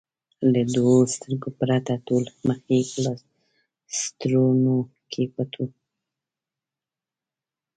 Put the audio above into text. له دوو سترګو پرته ټول مخ یې په پلاسټرونو کې پټ و.